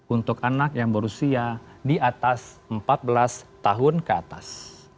untuk anak yang berusia di atas empat belas tahun ke atas